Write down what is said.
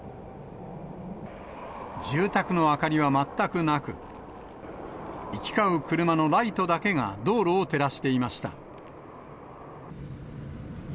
住宅の明かりは全くなく、行き交う車のライトだけが道路を照らしていました。